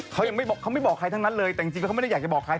เขายังไม่บอกเขาไม่บอกใครทั้งนั้นเลยแต่จริงแล้วเขาไม่ได้อยากจะบอกใคร